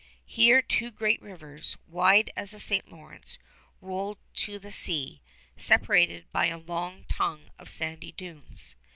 Here two great rivers, wide as the St. Lawrence, rolled to the sea, separated by a long tongue of sandy dunes.